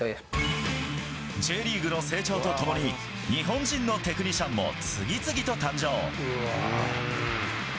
Ｊリーグの成長とともに、日本人のテクニシャンも次々と誕生。